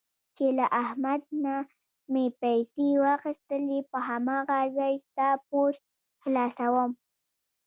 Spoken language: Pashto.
چې له احمد نه مې پیسې واخیستلې په هماغه ځای ستا پور خلاصوم.